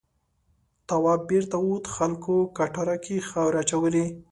تواب بېرته ووت خلکو کټاره کې خاورې اچولې.